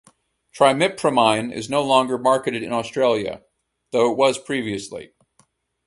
Trimipramine is no longer marketed in Australia, though it was previously.